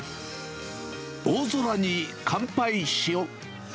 大空に乾杯しよ！